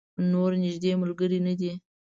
نور نږدې ملګری نه دی.